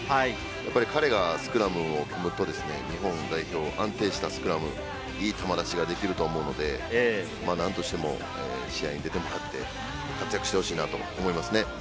やはり彼がスクラムを組むと日本代表、安定したスクラム、いい球出しができると思うので、何としても試合に出てもらって活躍してほしいなと思いますね。